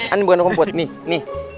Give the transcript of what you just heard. ini bukan kompot nih nih